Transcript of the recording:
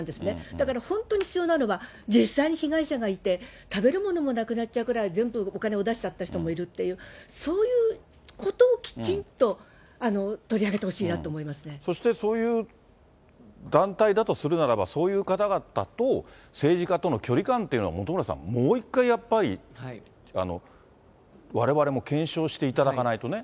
だから本当に必要なのは、実際に被害者がいて、食べるものもなくなっちゃうぐらい全部お金を出しちゃった人もいるっていう、そういうことをきちんと取り上げてほしいなと思いまそして、そういう団体だとするならば、そういう方々と政治家との距離感というのを、本村さん、もう一回やっぱり、われわれも検証していただかないとね。